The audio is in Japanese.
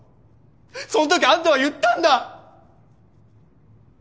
そん時あんたは言ったんだ。